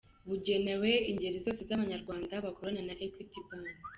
Bugenewe ingeri zose z’Abanyarwanda bakorana na Equity Bank.